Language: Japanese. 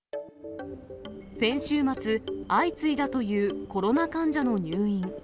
先週末、相次いだというコロナ患者の入院。